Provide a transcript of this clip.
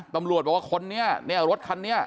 ตำรวจบอกว่าคนนี้เนี่ยรถคันนี้